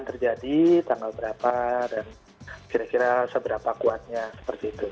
terjadi tanggal berapa dan kira kira seberapa kuatnya seperti itu